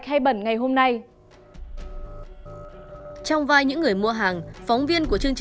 khi đặt mua hàng người chủ cửa hàng khẳng định với chúng tôi